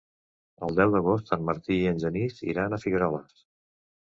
El deu d'agost en Martí i en Genís iran a Figueroles.